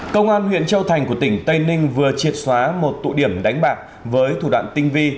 công an huyện châu thành của tỉnh tây ninh vừa triệt xóa một tụ điểm đánh bạc với thủ đoạn tinh vi